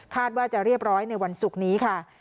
ว่าจะเรียบร้อยในวันศุกร์นี้ค่ะ